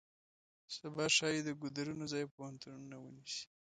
سبا ښایي د ګودرونو ځای پوهنتونونه ونیسي.